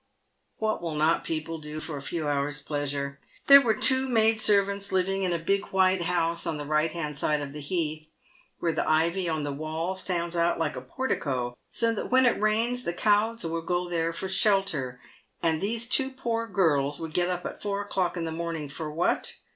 "What will not people do for a few hours' pleasure ? There were two maid servants living in a big white house on the right hand side of the heath — where the ivy on the wall stands out like a portico, so that when it rains the cows will go there for shelter — and these two poor girls would get up at four o'clock in the morning for what